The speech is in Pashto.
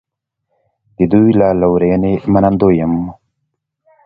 د دوی له لورینې منندوی یم.